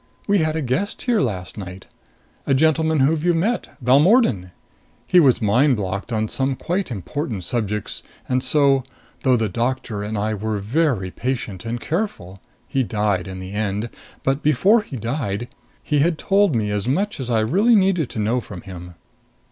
We had a guest here last night. A gentleman whom you've met Balmordan. He was mind blocked on some quite important subjects, and so though the doctor and I were very patient and careful he died in the end. But before he died, he had told me as much as I really needed to know from him.